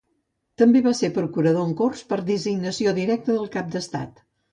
També va ser Procurador en Corts per designació directa del Cap de l'Estat.